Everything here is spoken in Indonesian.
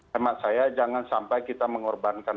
hemat saya jangan sampai kita mengorbankan